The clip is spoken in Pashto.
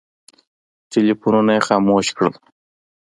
ټلفونونه یې خاموش کړل.